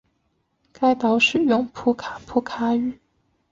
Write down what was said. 该岛使用普卡普卡语。